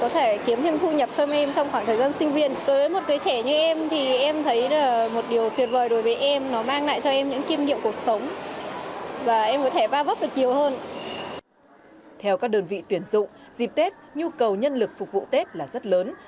theo các đơn vị tuyển dụng dịp tết nhu cầu nhân lực phục vụ tết là rất lớn